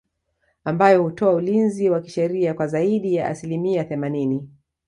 Ambayo hutoa ulinzi wa kisheria kwa zaidi ya asilimia themanini